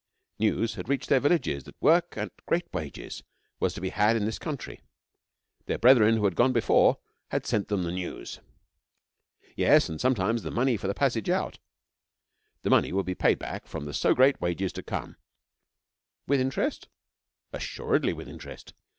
News had reached their villages that work at great wages was to be had in this country. Their brethren who had gone before had sent them the news. Yes, and sometimes the money for the passage out. The money would be paid back from the so great wages to come. With interest? Assuredly with interest..